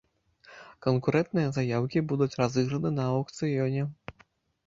Канкурэнтныя заяўкі будуць разыграны на аўкцыёне.